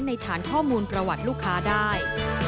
ฐานข้อมูลประวัติลูกค้าได้